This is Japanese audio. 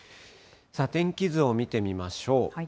天気図を見てみましょう。